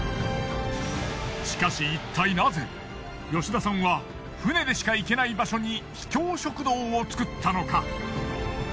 しかしいったいナゼ吉田さんは船でしか行けない場所に秘境食堂を作ったのか？